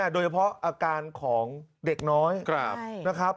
โดยเฉพาะอาการของเด็กน้อยนะครับ